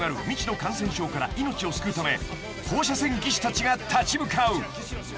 未知の感染症から命を救うため放射線技師たちが立ち向かう］